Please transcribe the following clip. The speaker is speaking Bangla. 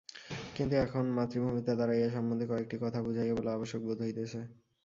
কিন্তু এখন মাতৃভূমিতে দাঁড়াইয়া এ সম্বন্ধে কয়েকটি কথা বুঝাইয়া বলা আবশ্যক বোধ হইতেছে।